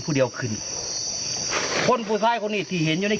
พูดยาวขึ้นคนผู้ที่เห็นยังไม่